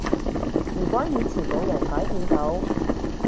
如果以前冇人改變到